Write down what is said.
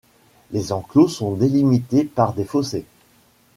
Les enclos sont délimités par des fossés.